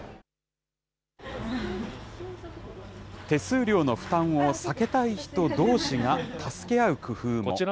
手数料の負担を避けたい人どうしが助け合う工夫も。